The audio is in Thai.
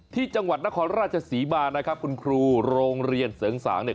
ที่จังหวัดนครราชศรีมานะครับคุณครูโรงเรียนเสริงสางเนี่ย